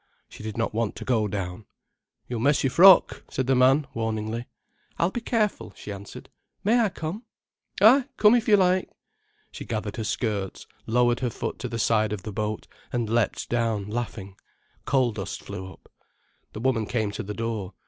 She did want to go down. "You'll mess your frock," said the man, warningly. "I'll be careful," she answered. "May I come?" "Ay, come if you like." She gathered her skirts, lowered her foot to the side of the boat, and leapt down, laughing. Coal dust flew up. The woman came to the door.